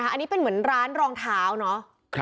อันนี้เป็นเหมือนร้านรองเท้าเนาะ